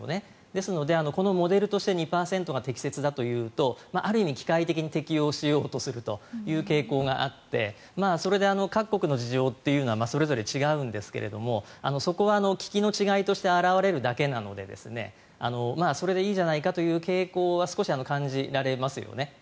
だから、モデルとして２％が適切だというとある意味、機械的に適用しようとする傾向があってそれで各国の事情というのはそれぞれ違うんですがそこは効きの違いとして表れるだけなのでそれでいいじゃないかという傾向は少し感じられますよね。